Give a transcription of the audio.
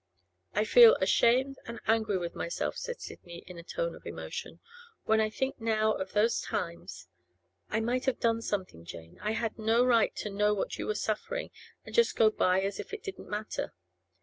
'I feel ashamed and angry with myself,' said Sidney, in a tone of emotion, 'when I think now of those times. I might have done something, Jane. I had no right to know what you were suffering and just go by as if it didn't matter!